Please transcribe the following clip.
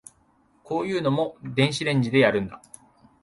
こういうのも電子レンジでやるんだ